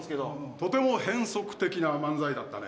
とても変則的な漫才だったね。